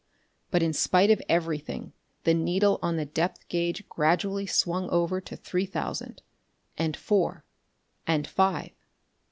But in spite of everything the needle on the depth gauge gradually swung over to three thousand, and four, and five....